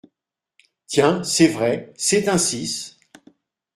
Tiens ! c’est vrai ! c’est un six !